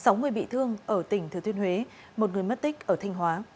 sáu người bị thương ở tỉnh thừa thuyên huế một người mất tích ở thành hóa